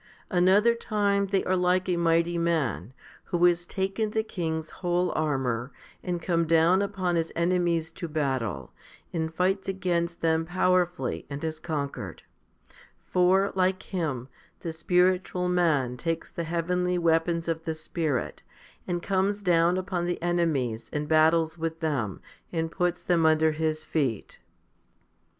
Another time they are like a mighty man who has taken the king's whole armour, and come down upon his enemies to battle, and fights against them power fully, and has conquered ; for, like him, the spiritual man takes the heavenly weapons of the Spirit, and comes down upon the enemies, and battles with them, and puts them under his feet.